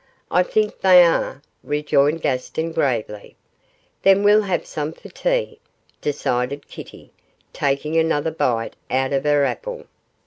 'I think they are,' rejoined Gaston, gravely. 'Then we'll have some for tea,' decided Kitty, taking another bite out of her apple.